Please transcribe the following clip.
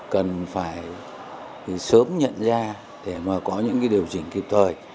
cần phải sớm nhận ra để mà có những cái điều chỉnh kịp thời